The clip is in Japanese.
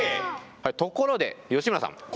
ところで吉村さん